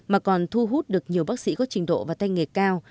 mà còn thu hút được nhiều bác sĩ có trình độ và tay nghề cao